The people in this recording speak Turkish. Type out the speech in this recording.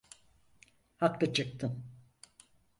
Haklı çıktın.